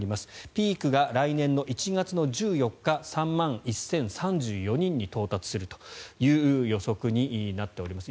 ピークが来年１月１４日３万１０３４人に到達するという予測になっています。